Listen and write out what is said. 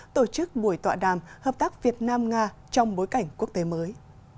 tổ chức buổi tọa đàm hợp tác việt nam nga trong bối cảnh quốc tế mới